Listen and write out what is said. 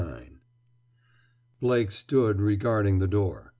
IX Blake stood regarding the door.